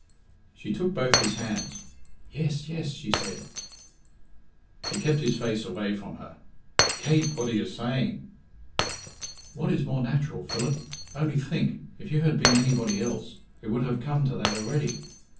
She took both his hands. "Yes, yes," she said. He kept his face away from her. "Kate, what are you saying?" "What is more natural, Philip? Only think if you had been anybody else, it would have come to that already.